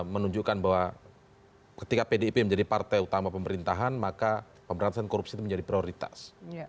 menunjukkan bahwa ketika pdip menjadi partai utama pemerintahan maka pemberantasan korupsi itu menjadi prioritas